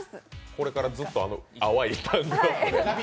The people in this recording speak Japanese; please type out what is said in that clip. これからずっと淡いタンクトップで。